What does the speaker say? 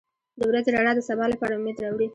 • د ورځې رڼا د سبا لپاره امید راوړي.